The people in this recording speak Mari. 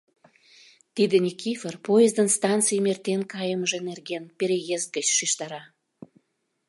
Тиде Никифор поездын станцийым сайын эртен кайымыже нерген переезд гыч шижтара.